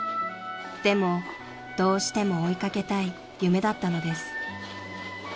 ［でもどうしても追い掛けたい夢だったのです］